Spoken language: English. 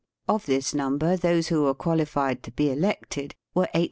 Of this number, those who were qualified to be elected were 879,347.